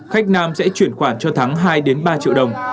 khách nam sẽ chuyển khoản cho thắng hai ba triệu đồng